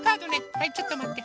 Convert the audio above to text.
はいちょっとまって。